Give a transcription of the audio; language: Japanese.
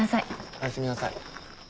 おやすみなさい。